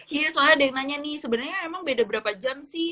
iya soalnya ada yang nanya nih sebenarnya emang beda berapa jam sih